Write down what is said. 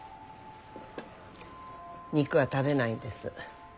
肉は食べないんです。